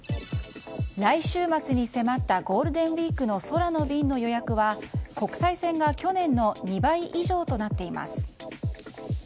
来週末に迫ったゴールデンウィークの空の便の予約は、国際線が去年の２倍以上となっています。